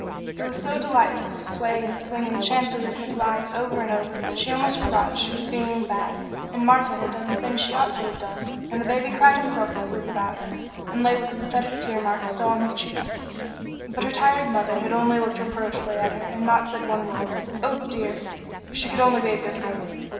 It was so delightful to sway and swing and chant the rythmic lines over and over that almost she forgot she was being bad, and Martha had done the things she ought to have done, and the baby cried himself to sleep without her, and lay with the pathetic tear marks still on his cheeks, but her tired mother had only looked reproachfully at her and had not said one word. Oh, dear! If she could only be a good girl!